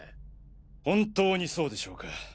本当にそうでしょうか？